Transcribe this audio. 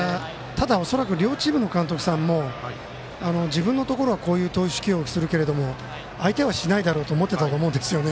恐らく両チームの監督さんも自分のところは投手起用するけれども相手はしないだろうと思ってたと思うんですね。